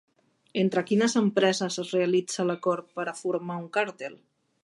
Entre quines empreses es realitza l'acord per a formar un càrtel?